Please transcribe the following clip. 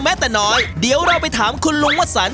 แต่น้อยเดี๋ยวเราไปถามคุณลุงวสัน